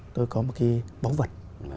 tôi có một cái bóng vật